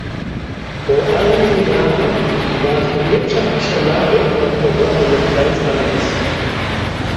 Vor einigen Jahren war die wirtschaftliche Lage in Europa noch ganz anders.